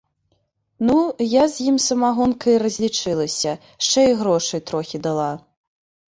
Ну, я з ім самагонкай разлічылася, шчэ й грошай трохі дала.